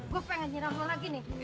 gue pengen nyeram lo lagi nih